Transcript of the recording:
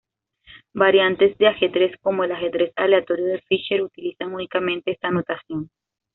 Variantes de ajedrez, como el ajedrez aleatorio de Fischer, utilizan únicamente esta notación.